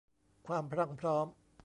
ความพรั่งพร้อม